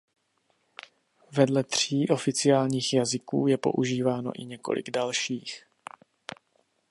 Vedle tří oficiálních jazyků je používáno i několik dalších.